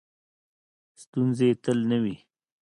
ستونزې تل نه وي .